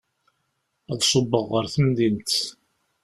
Ad ṣubbeɣ ɣer temdint.